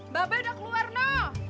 babak udah keluar no